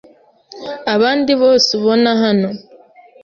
Abandi bose ubona hano